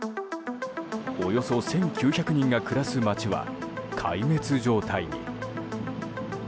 およそ１９００人が暮らす街は壊滅状態に。